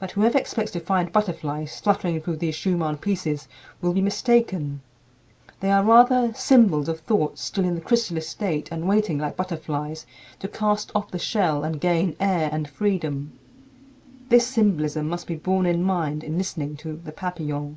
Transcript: But whoever expects to find butterflies fluttering through these Schumann pieces will be mistaken. They are rather symbols of thoughts still in the chrysalis state and waiting, like butterflies, to cast off the shell and gain air and freedom. This symbolism must be borne in mind in listening to "The Papillons."